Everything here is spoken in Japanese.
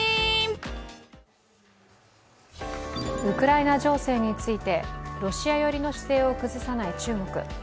ウクライナ情勢についてロシア寄りの姿勢を崩さない中国。